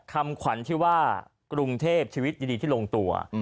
คำขวัญที่ว่ากรุงเทพชีวิตดีที่ลงตัว